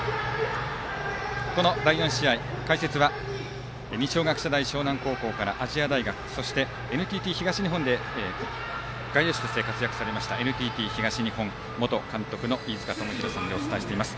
この第４試合、解説は二松学舎大沼南高校から亜細亜大学そしてＮＴＴ東日本で外野手として活躍されましたＮＴＴ東日本元監督の飯塚智広さんでお伝えしています。